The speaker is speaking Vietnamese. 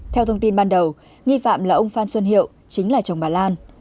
theo thông tin ban đầu nghi phạm là ông phan xuân hiệu chính là chồng bà lan